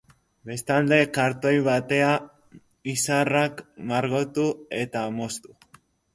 Bestalde, kartoi batea izarrak margotu eta moztu.